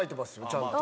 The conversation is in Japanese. ちゃんと。